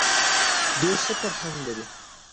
ډېر ښه فرهنګ لري.